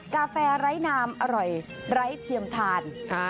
กาแฟไร้นามอร่อยไร้เทียมทาน